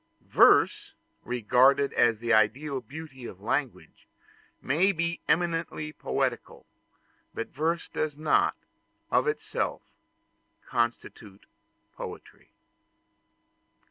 Verse, regarded as the ideal beauty of language, may be eminently poetical; but verse does not, of itself, constitute poetry.